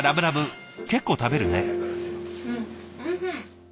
結構食べるね。